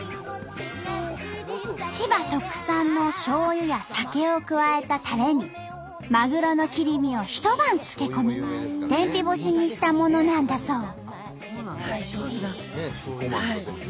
千葉特産のしょうゆや酒を加えたたれにまぐろの切り身を一晩漬け込み天日干しにしたものなんだそう。